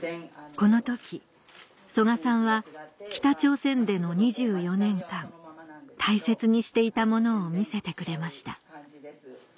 この時曽我さんは北朝鮮での２４年間大切にしていたものを見せてくれました